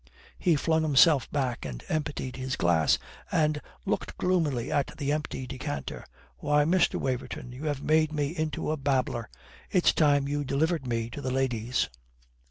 He flung himself back and emptied his glass, and looked gloomily at the empty decanter. "Why, Mr. Waverton, you have made me into a babbler. It's time you delivered me to the ladies."